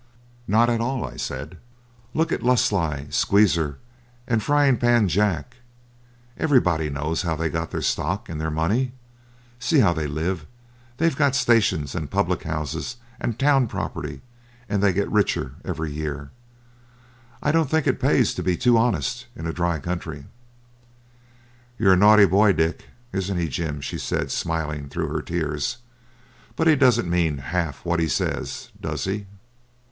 'Not at all,' I said. 'Look at Lucksly, Squeezer, and Frying pan Jack. Everybody knows how they got their stock and their money. See how they live. They've got stations, and public house and town property, and they get richer every year. I don't think it pays to be too honest in a dry country.' 'You're a naughty boy, Dick; isn't he, Jim?' she said, smiling through her tears. 'But he doesn't mean half what he says, does he?'